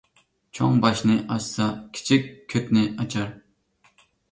چوڭ باشنى ئاچسا، كىچىك كۆتنى ئاچار